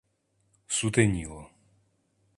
Сутеніло.